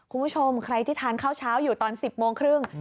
คุณผู้ชมใครที่ทานข้าวเช้าอยู่ตอน๑๐โมงครึ่ง